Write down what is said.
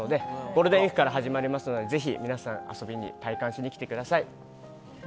ゴールデンウィークから始まりますので、皆様ぜひ、拝観しに来てください。